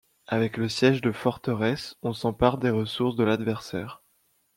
Avec le siège de forteresse on s’empare des ressources de l’adversaire.